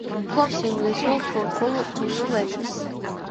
ფლობს ინგლისურ, თურქულ, რუსულ ენებს.